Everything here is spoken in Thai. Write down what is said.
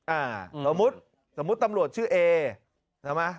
อ่าสมมุติสมมุติตำรวจชื่อเอใช่ไหม